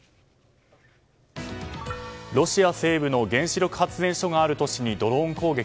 ロシア西部の原子力発電所がある都市にドローン攻撃。